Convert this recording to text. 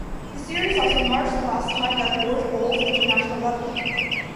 The series also marked the last time that Borde bowled international level.